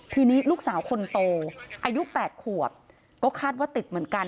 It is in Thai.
ทีนี้ลูกสาวคนโตอายุ๘ขวบก็คาดว่าติดเหมือนกัน